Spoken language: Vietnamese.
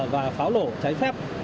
và pháo lổ trái phép